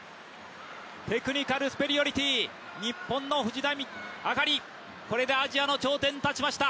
テクニカルスペリオリティ、これでアジアの頂点に立ちました。